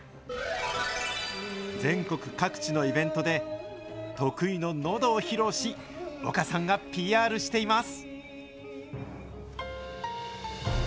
全国各地のイベントで、得意ののどを披露し、岡さんがＰＲしています。